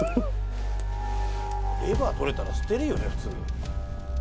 レバーとれたら捨てるよね普通。